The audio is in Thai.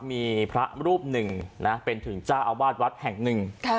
มีพระรูปหนึ่งนะเป็นถึงเจ้าอาวาสวัดแห่งหนึ่ง